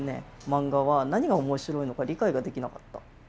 漫画は何が面白いのか理解ができなかった。